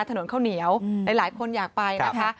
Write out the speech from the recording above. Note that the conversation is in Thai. ถนนข้าวเหนียวหลายคนอยากไปนะคะ